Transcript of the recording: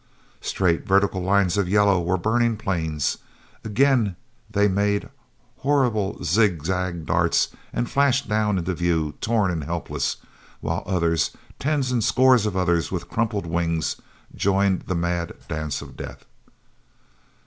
Straight, vertical lines of yellow were burning planes. Again they made horrible zigzag darts and flashed down into view torn and helpless, while others, tens and scores of others with crumpled wings, joined the mad dance of death.